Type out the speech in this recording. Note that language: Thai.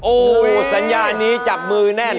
โอ้โหสัญญานี้จับมือแน่น